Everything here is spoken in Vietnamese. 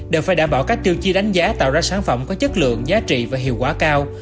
đều phải đảm bảo các tiêu chí đánh giá tạo ra sản phẩm có chất lượng giá trị và hiệu quả cao